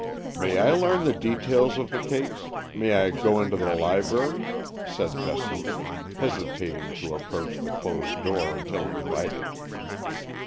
"May I learn the details of the case? May I go into the library?" said Fessenden, hesitating to approach the closed door until invited.